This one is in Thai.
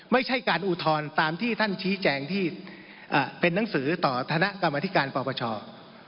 ไม่ใช่การอุทธรรมตามที่ท่านชี้แจงที่เป็นหนังสือต่อธนกรรมนิษฐ์กรรมอธิการปราชา